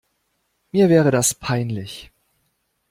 Mir wäre das peinlich.